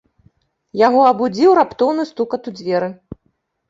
Яго абудзіў раптоўны стукат у дзверы.